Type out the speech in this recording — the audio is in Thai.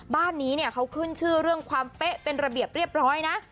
บ้านนี้เนี่ยเขาขึ้นชื่อเรื่องความเป๊ะเป็นระเบียบเรียบร้อยนะ